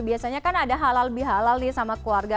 biasanya kan ada halal bihalal nih sama keluarga